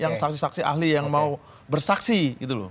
yang saksi saksi ahli yang mau bersaksi gitu loh